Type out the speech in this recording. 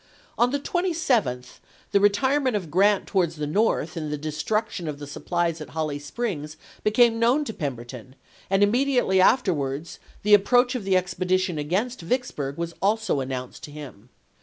On the 27th the retire Dec.,i862. ment of Grant towards the North and the destruc tion of the supplies at Holly Springs became known to Pemberton, and immediately afterwards the approach of the expedition against Vicksburg was also announced to him.